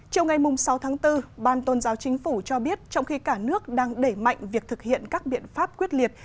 trong ngày sáu tháng bốn ban tôn giáo chính phủ cho biết trong khi cả nước đang đẩy mạnh việc thực hiện các biện pháp quyết liệt